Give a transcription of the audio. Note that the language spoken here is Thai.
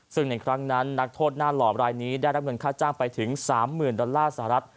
ซึ่งในครั้งนั้นนักโทษหน้าหล่อรายนี้ได้รับเงินค่าจ้างไปถึง๓๐๐๐ดอลลาร์สหรัฐ